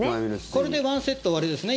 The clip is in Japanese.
これで１セット終わりですね。